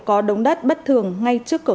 có đống đất bất thường ngay trước cửa